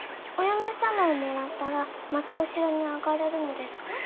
お嫁様をもらったらまたお城に上がれるのですか？